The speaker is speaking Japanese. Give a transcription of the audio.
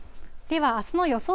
では、あすの予想